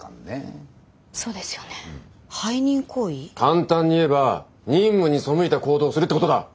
簡単に言えば任務に背いた行動をするってことだ！